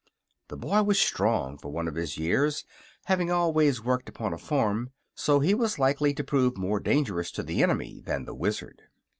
The boy was strong for one of his years, having always worked upon a farm; so he was likely to prove more dangerous to the enemy than the Wizard.